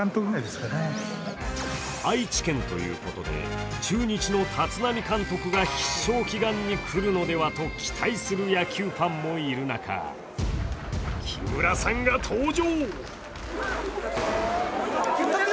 愛知県ということで中日の立浪監督が必勝祈願に来るのではと期待する野球ファンもいる中木村さんが登場。